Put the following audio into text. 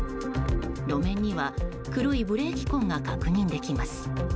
路面には黒いブレーキ痕が確認できます。